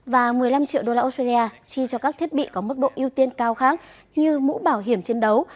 và một mươi năm triệu đô la australia chi cho các thiết bị có mức độ ưu tiên cao khác như mũ bảo hiểm chiến đấu